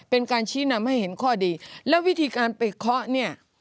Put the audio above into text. เป็นการชี้นำให้เห็นข้อดีแล้ววิธีการไปเคาะเนี่ย